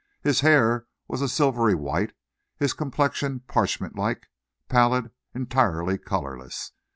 His hair was a silvery white; his complexion parchment like, pallid, entirely colourless.